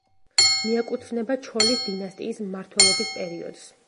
მიეკუთვნება ჩოლის დინასტიის მმართველობის პერიოდს.